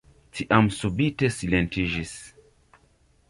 Tiam subite silentiĝis.